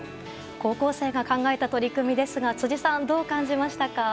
高校生が考えた取り組みですが辻さんどう感じましたか。